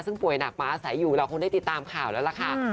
ซึ่งป่วยหนักมาอาศัยอยู่เราคงได้ติดตามข่าวแล้วล่ะค่ะ